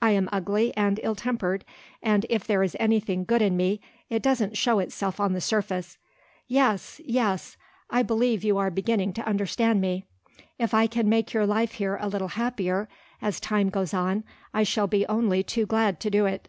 I am ugly and ill tempered: and, if there is anything good in me, it doesn't show itself on the surface. Yes! yes! I believe you are beginning to understand me. If I can make your life here a little happier, as time goes on, I shall be only too glad to do it."